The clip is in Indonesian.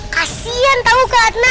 kasian tahu keatna